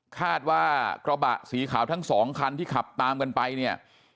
คาดว่ากระบะสีขาวทั้งสองคันที่ขับตามกันไปเนี่ย